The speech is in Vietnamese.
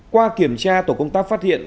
qua kiểm tra tổ công tác phát hiện